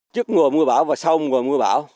trước mùa mùa bão và sau mùa mùa bão